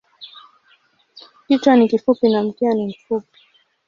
Kichwa ni kifupi na mkia ni mfupi.